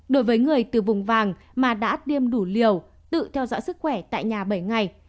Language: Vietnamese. đối với người từ vùng vàng mà đã tiêm đủ liều tự theo dõi sức khỏe tại nhà bảy ngày